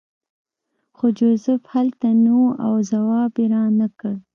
خو جوزف هلته نه و او ځواب یې رانکړ